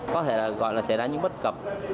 có thể gọi là xảy ra những bất cập